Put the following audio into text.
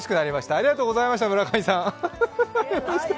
ありがとうございました、村上さん